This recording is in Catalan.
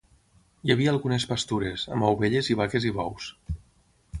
Hi havia algunes pastures, amb ovelles i vaques i bous.